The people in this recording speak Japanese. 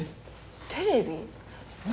テレビ⁉何？